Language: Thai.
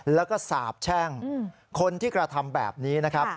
แล้วก็สาบแช่งคนที่กระทำแบบนี้นะครับ